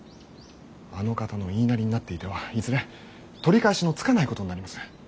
あの方の言いなりになっていてはいずれ取り返しのつかないことになります。